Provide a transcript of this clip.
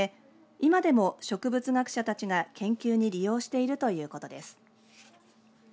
今でも植物学者たちが研究に利用しているということです。